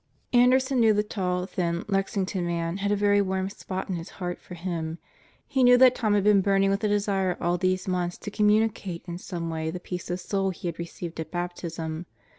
Anderson knew the tall, thin, Lexington man had a very warm spot in his heart for him. He knew that Tom had been burning with a desire all these months to communicate in some way the peace of soul he had received at baptism.